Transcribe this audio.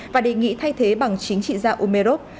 và đề nghị thay thế bằng chính trị gia umerov